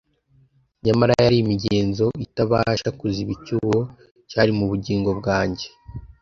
nyamara yari imigenzo itabasha kuziba icyuho cyari mu bugingo bwanjye.